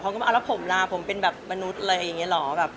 พร้อมกันว่าอ้าวแล้วผมล่ะผมเป็นแบบมนุษย์อะไรอย่างนี้หรอ